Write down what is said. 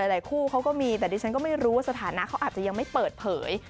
หลายคู่เขาก็มีแต่ดิฉันก็ไม่รู้ว่าสถานะเขาอาจจะยังไม่เปิดเผย